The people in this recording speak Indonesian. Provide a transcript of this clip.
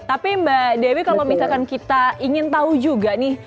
tapi mbak dewi kalau misalkan kita ingin tahu juga nih